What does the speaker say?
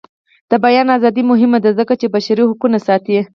د بیان ازادي مهمه ده ځکه چې بشري حقونه ساتي.